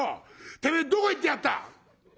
てめえどこ行ってやがった！？」。